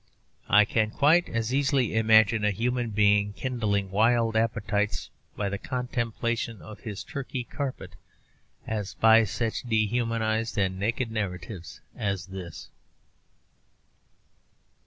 I can quite as easily imagine a human being kindling wild appetites by the contemplation of his Turkey carpet as by such dehumanized and naked narrative as this.